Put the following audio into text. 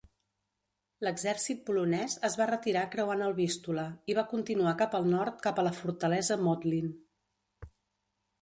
L'exèrcit polonès es va retirar creuant el Vístula, i va continuar cap al nord cap a la fortalesa Modlin.